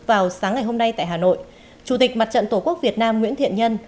vào sáng ngày hôm nay tại hà nội chủ tịch mặt trận tổ quốc việt nam nguyễn thiện nhân